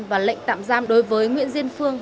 và lệnh tạm giam đối với nguyễn diên phương